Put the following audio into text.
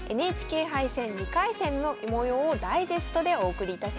ＮＨＫ杯戦２回戦の模様をダイジェストでお送りいたします。